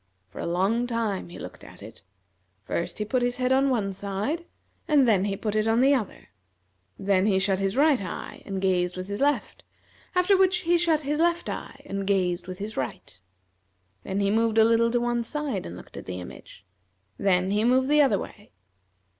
For a long time he looked at it. First he put his head on one side, and then he put it on the other; then he shut his right eye and gazed with his left, after which he shut his left eye and gazed with his right. Then he moved a little to one side and looked at the image, then he moved the other way.